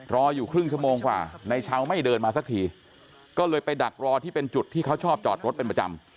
รออยู่ครึ่งชั่วโมงกว่าในเช้าไม่เดินมาสักทีก็เลยไปดักรอที่เป็นจุดที่เขาชอบจอดรถเป็นประจำ